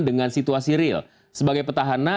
dengan situasi real sebagai petahana